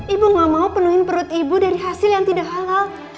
ibu gak mau penuhin perut ibu dari hasil yang tidak halal